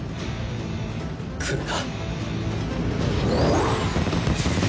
来るな。